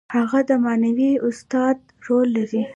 هغه د معنوي استاد رول لري.